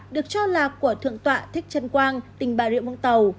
được cho là của thượng tọa thích trân quang tỉnh ba rượu vũng tàu